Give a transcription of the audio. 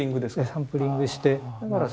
サンプリングして。